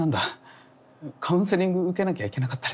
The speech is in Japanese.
カウンセリング受けなきゃいけなかったりで。